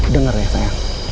dengar ya sayang